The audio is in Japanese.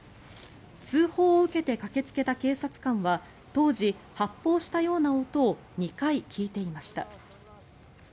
通報を受けて駆けつけた警察官は当時、発砲したような音を２回、聞いていました。